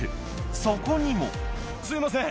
そこにもすいません